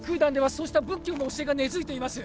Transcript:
そうした仏教の教えが根付いています